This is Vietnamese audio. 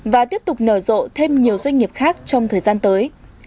và tiếp tục nở rộ thêm nhiều doanh nghiệp khác trong thời gian tới